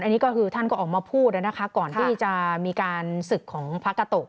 อันนี้ก็คือท่านก็ออกมาพูดนะคะก่อนที่จะมีการศึกของพระกาโตะ